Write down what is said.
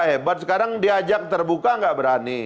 hebat sekarang diajak terbuka nggak berani